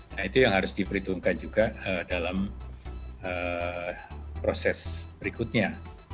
nah itu yang harus diperhitungkan juga dalam proses berikutnya